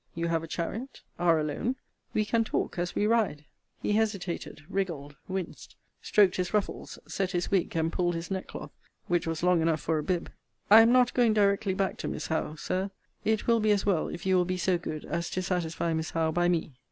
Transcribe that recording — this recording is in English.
You have a chariot. Are alone. We can talk as we ride. He hesitated, wriggled, winced, stroked his ruffles, set his wig, and pulled his neckcloth, which was long enough for a bib. I am not going directly back to Miss Howe, Sir. It will be as well if you will be so good as to satisfy Miss Howe by me.